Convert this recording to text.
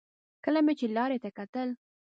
کله مې چې لارې ته کتل.